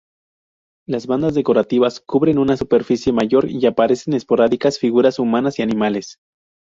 Las bandas decorativas cubren una superficie mayor y aparecen esporádicas figuras humanas y animales.